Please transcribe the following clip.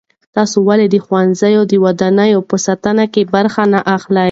تاسې ولې د ښوونځیو د ودانیو په ساتنه کې برخه نه اخلئ؟